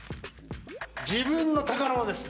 自分の宝物です。